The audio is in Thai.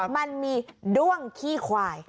มันมีด้วงขี้ควาย